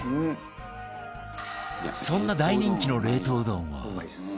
そんな大人気の冷凍うどんを